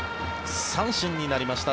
三振になりました。